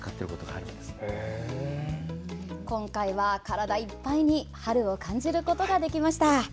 今回は体いっぱいに春を感じることができました。